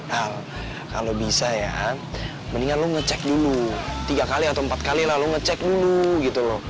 nah kalau bisa ya mendingan lo ngecek dulu tiga kali atau empat kali lalu ngecek dulu gitu loh